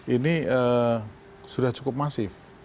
ini sudah cukup masif